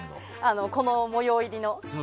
この模様入りの。